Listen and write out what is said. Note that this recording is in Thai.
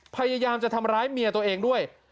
พยายามจะทำร้ายเมียตัวเองด้วย